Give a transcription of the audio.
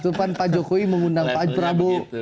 tentukan pak jokowi mengundang pak prabowo